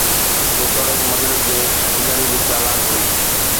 جيتوڻيڪ مغرب جي جنن به چالاڪ هئي